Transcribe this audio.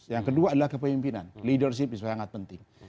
yang kedua adalah kepemimpinan leadership itu sangat penting